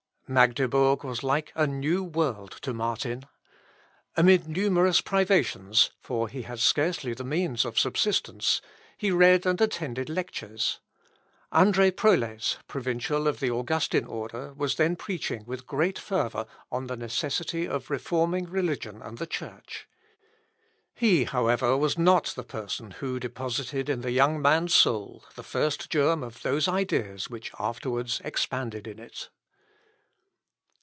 Magdebourg was like a new world to Martin. Amid numerous privations, (for he had scarcely the means of subsistence,) he read and attended lectures; André Prolés, provincial of the Augustine Order, was then preaching with great fervour on the necessity of reforming religion and the Church. He, however, was not the person who deposited in the young man's soul the first germ of those ideas which afterwards expanded in it.